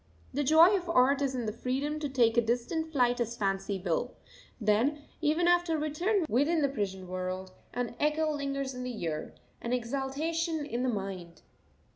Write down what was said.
The joy of art is in freedom to take a distant flight as fancy will; then, even after return within the prison world, an echo lingers in the ear, an exaltation in the mind.